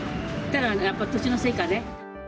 やっぱり年のせいかね。